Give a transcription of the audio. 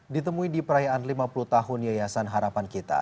ditemui di perayaan lima puluh tahun yayasan harapan kita